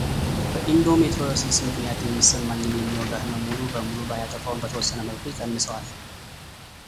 በኢንዶሜትሪዮሲስ ምክንያት የሚሰማኝን የሚወጋ ህመም ሙሉ በሙሉ ባያጠፋውም በተወሰነ መልኩ ይቀንሰዋል።